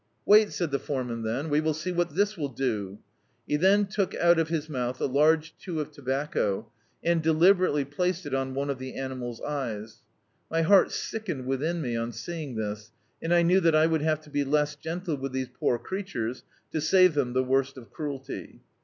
"Wait," said the foreman then, "we will see what this will do." He then took out of his mouth a large chew of tobacco, and deliberately placed it on one of the animal's eyes. My heart sickened within me, on seeing this, and I knew that I would have to be less gentle with these poor creatures to save them the worst of cruelty.